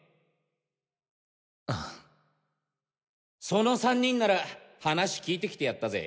その３人なら話聞いてきてやったぜ。